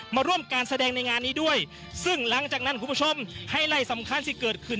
มาร่วมการแสดงในงานนี้ด้วยซึ่งหลังจากนั้นคุณผู้ชมไฮไลท์สำคัญที่เกิดขึ้น